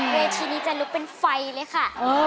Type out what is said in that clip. เวทีนี้จะลุกเป็นไฟเลยค่ะ